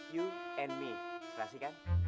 you and me serasi kan